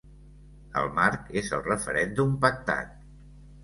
El marc és el referèndum pactat.